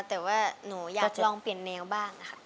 แต่ว่าหนูอยากลองเปลี่ยนแนวบ้างนะคะ